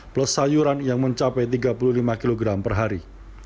plus sayuran yang mencapai tiga puluh lima kg per hari